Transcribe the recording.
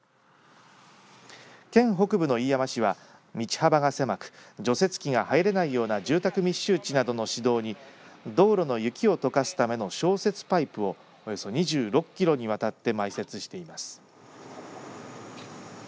県北部の飯山市は道幅が狭く除雪機が入れないような住宅密集地などの市道に道路に雪をとかすための消雪パイプをおよそ２６キロにわたって埋設しています。